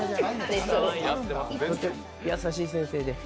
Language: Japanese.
優しい先生で。